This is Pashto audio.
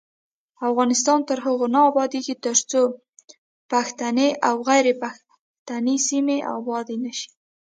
افغانستان تر هغو نه ابادیږي، ترڅو پښتني او غیر پښتني سیمې ابادې نشي.